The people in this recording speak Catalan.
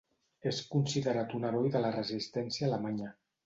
És considerat un heroi de la resistència alemanya.